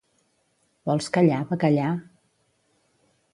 Vols callar, bacallà?